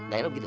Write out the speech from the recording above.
gak erup gitu